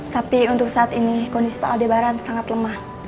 tapi untuk saat ini kondisi pak aldebaran sangat lemah